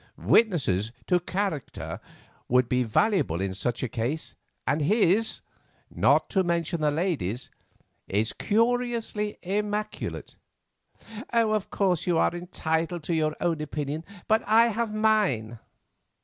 Witnesses to character would be valuable in such a case, and his—not to mention the lady's—is curiously immaculate." "Of course you are entitled to your own opinion, but I have mine."